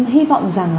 hy vọng rằng